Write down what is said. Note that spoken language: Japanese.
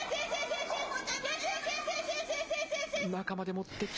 中まで持ってきて。